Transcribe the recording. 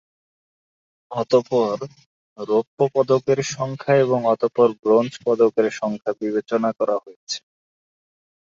অতঃপর রৌপ্য পদকের সংখ্যা এবং অতঃপর ব্রোঞ্জ পদকের সংখ্যা বিবেচনা করা হয়েছে।